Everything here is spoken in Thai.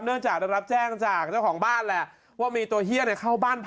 เนื่องจากได้รับแจ้งจากเจ้าของบ้านแหละว่ามีตัวเฮียเนี่ยเข้าบ้านพัก